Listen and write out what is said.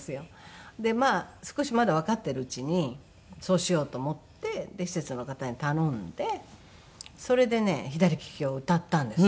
でまあ少しまだわかっているうちにそうしようと思って施設の方に頼んでそれでね『左きき』を歌ったんです。